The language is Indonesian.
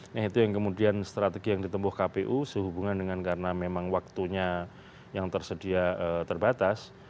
nah itu yang kemudian strategi yang ditempuh kpu sehubungan dengan karena memang waktunya yang tersedia terbatas